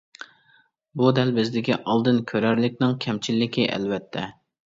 بۇ دەل بىزدىكى ئالدىن كۆرەرلىكنىڭ كەمچىللىكى، ئەلۋەتتە!